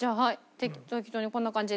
適当にこんな感じで。